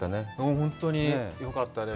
本当によかったです。